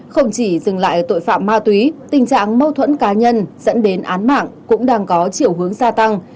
không chỉ dừng lại ở tội phạm ma túy tình trạng mâu thuẫn cá nhân dẫn đến án mạng cũng đang có chiều hướng gia tăng